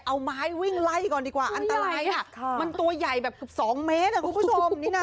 เอาม้ายวิ่งไล่ก่อนดีกว่ามันตัวใหญ่แบบ๒เมตรคุณผู้ชม